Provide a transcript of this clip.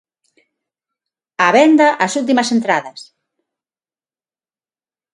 Á venda as últimas entradas.